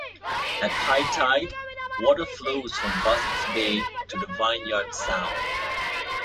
At high tide, water flows from Buzzards Bay to the Vineyard Sound.